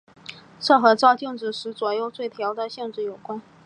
这和照镜子时左右对调的性质有关。